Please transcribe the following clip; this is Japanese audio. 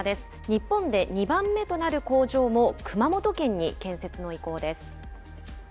日本で２番目となる工場も熊本県に建設の意向です。